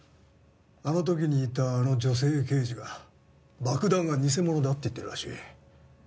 あの時にいたあの女性刑事が爆弾は偽物だって言ってるらしい。